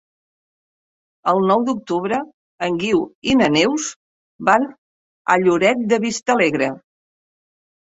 El nou d'octubre en Guiu i na Neus van a Lloret de Vistalegre.